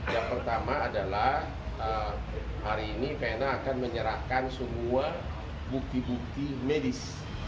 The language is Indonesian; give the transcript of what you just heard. yang pertama adalah hari ini vena akan menyerahkan semua bukti bukti medis